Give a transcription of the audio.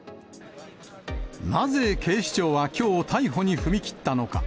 なぜ警視庁はきょう逮捕に踏み切ったのか。